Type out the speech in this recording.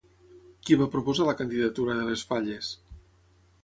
Qui va proposar la candidatura de les Falles?